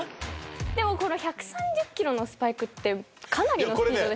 でもこの１３０キロのスパイクってかなりのスピードですよね。